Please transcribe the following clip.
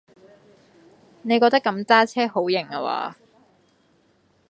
你覺得噉揸車好型下話？